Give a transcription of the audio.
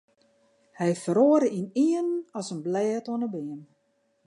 Hy feroare ynienen as in blêd oan 'e beam.